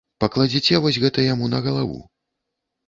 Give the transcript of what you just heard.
Пакладзеце вось гэта яму на галаву.